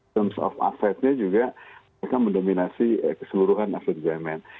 terms of assetnya juga mereka mendominasi keseluruhan aset bumn